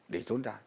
để trốn chạy